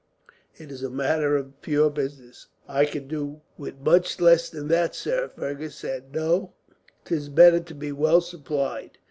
It is a matter of pure business." "I could do with much less than that, sir," Fergus said. "No, 'tis better to be well supplied.